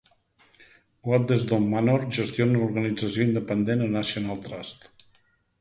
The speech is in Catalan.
Waddesdon Manor gestiona una organització independent a National Trust.